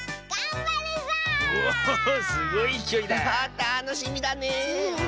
たのしみだねえ！